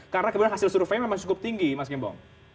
karena kebetulan hasil surveinya memang cukup tinggi mas gembong